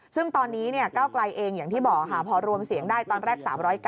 ซึ่งตอนนี้ก้าวไกลเองอย่างที่บอกค่ะพอรวมเสียงได้ตอนแรก๓๐๙